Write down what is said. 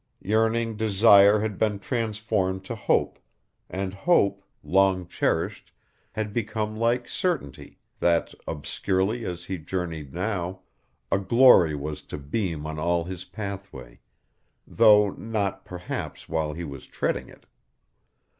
Yearning desire had been transformed to hope; and hope, long cherished, had become like certainty, that, obscurely as he journeyed now, a glory was to beam on all his pathway though not, perhaps, while he was treading it.